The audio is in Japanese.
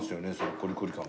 コリコリ感がね。